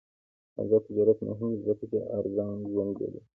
آزاد تجارت مهم دی ځکه چې ارزان ژوند جوړوي.